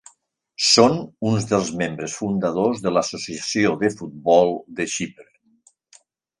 Són uns dels membres fundadors de l'Associació de Futbol de Xipre.